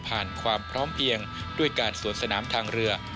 ความพร้อมเพียงด้วยการสวนสนามทางเรือ